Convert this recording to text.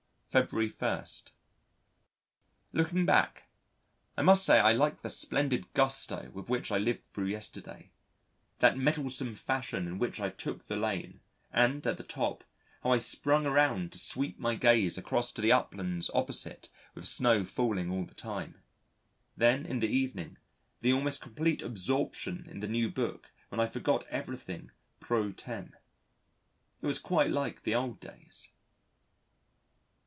February 1. Looking back, I must say I like the splendid gusto with which I lived thro' yesterday: that mettlesome fashion in which I took the lane, and at the top, how I swung around to sweep my gaze across to the uplands opposite with snow falling all the time. Then in the evening, the almost complete absorption in the new book when I forgot everything pro tem. It was quite like the old days.